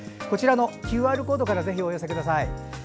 こちらのＱＲコードからぜひお寄せください。